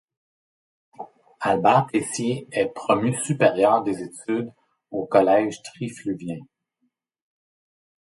Albert Tessier est promu supérieur des études au collège trifluvien.